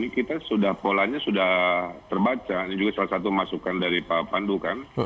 kita sudah polanya sudah terbaca ini juga salah satu masukan dari pak pandu kan